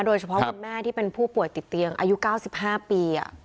โดยเฉพาะวันแม่ที่เป็นผู้ป่วยติดเตียงอายุ๙๕ปีอ่ะ